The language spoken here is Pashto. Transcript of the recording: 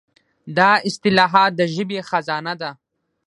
دا اصطلاحات د ژبې خزانه ده.